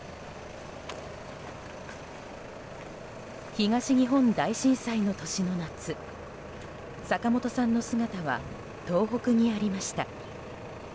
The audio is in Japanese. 東日本大震災の年の夏坂本さんの姿は東北にありました。